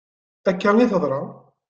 Akka i teḍra.